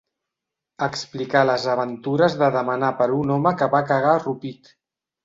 Explicà les aventures de demanar per un home que va cagar a Rupit.